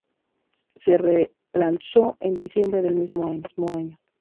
Se relanzó en diciembre del mismo año.